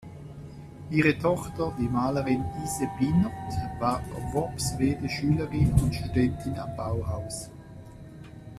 Ihre Tochter, die Malerin Ise Bienert, war Worpswede-Schülerin und Studentin am Bauhaus.